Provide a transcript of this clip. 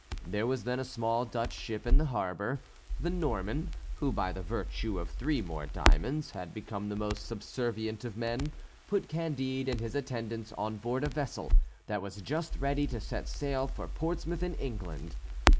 There was then a small Dutch ship in the harbour. The Norman, who by the virtue of three more diamonds had become the most subservient of men, put Candide and his attendants on board a vessel that was just ready to set sail for Portsmouth in England.